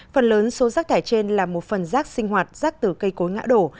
phần lớn số rác thải trên là một phần rác sinh hoạt rác từ cây cối ngã đổ